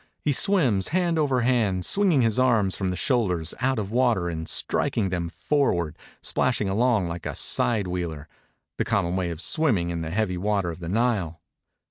He swims hand over hand, swinging his arms from the shoulders out of water and striking them forward splashing along like a side wheeler — the common way of swimming in the heavy water of the Nile.